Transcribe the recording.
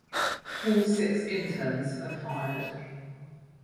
All six interns are fired.